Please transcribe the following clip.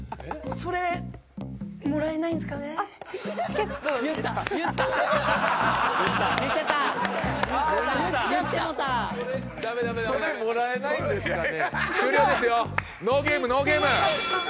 「それもらえないんですかね？」。